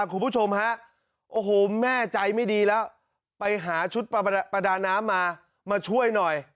คุณผู้ชมฮะโอ้โหแม่ใจไม่ดีแล้วไปหาชุดประดาน้ำมามาช่วยหน่อย